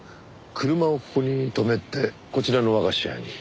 車をここに止めてこちらの和菓子屋に。